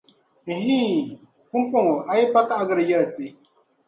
N-hii, pumpɔŋɔ a yipa kahigiri yɛri ti.